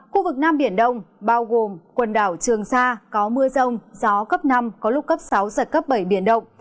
khu vực nam biển đông bao gồm quần đảo trường sa có mưa rông gió cấp năm có lúc cấp sáu giật cấp bảy biển động